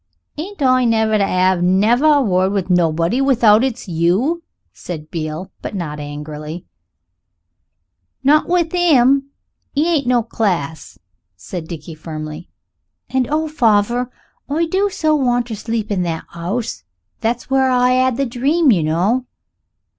"Ain't I never to 'ave never a word with nobody without it's you?" said Beale, but not angrily. "Not with 'im; 'e ain't no class," said Dickie firmly; "and oh! farver, I do so wanter sleep in that 'ouse, that was where I 'ad The Dream, you know."